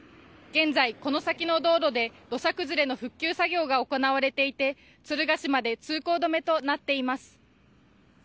現在、この先の道路で土砂崩れの復旧作業が行われていて敦賀市まで通行止めとなっています。